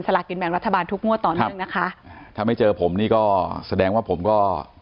ลากินแบ่งรัฐบาลทุกงวดต่อเนื่องนะคะถ้าไม่เจอผมนี่ก็แสดงว่าผมก็